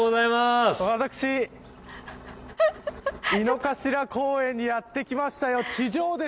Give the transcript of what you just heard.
私、井の頭公園にやってきましたよ。